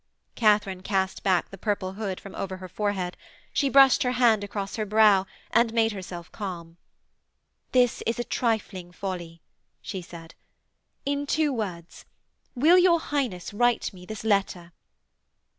Katharine cast back the purple hood from over her forehead, she brushed her hand across her brow, and made herself calm. 'This is a trifling folly,' she said. 'In two words: will your Highness write me this letter?'